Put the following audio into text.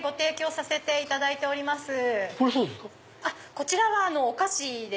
こちらはお菓子で。